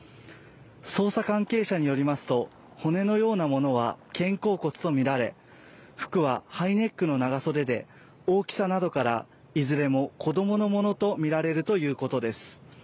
捜査関係者によりますと骨のようなものは肩甲骨とみられ服はハイネックの長袖で大きさなどからいずれも子どものものと見られるということです